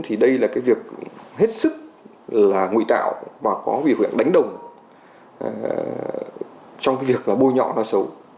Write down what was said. thì đây là việc hết sức ngụy tạo và có việc đánh đồng trong việc bôi nhọ nó xấu